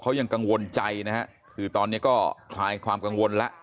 เขายังกังวลใจนะฮะคือตอนนี้ก็คลายความกังวลแล้ว